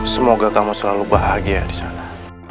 semoga kamu selalu bahagia disana